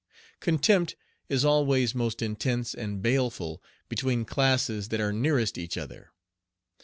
Contempt is always most intense and baleful between classes that are nearest each other.